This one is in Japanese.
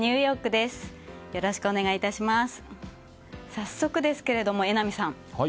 早速ですけれども、榎並さん